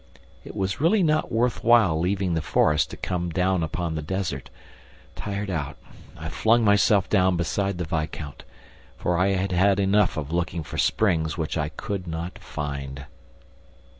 It was really not worth while leaving the forest to come upon the desert. Tired out, I flung myself down beside the viscount, for I had had enough of looking for springs which I could not find.